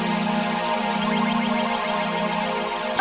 di sini ada makeup removernya mama deh